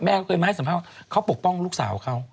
เคยมาให้สัมภาษณ์เขาปกป้องลูกสาวเขา